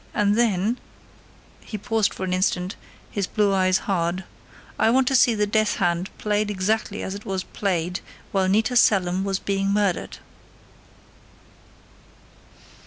And then " he paused for an instant, his blue eyes hard: "I want to see the death hand played exactly as it was played while Nita Selim was being murdered!"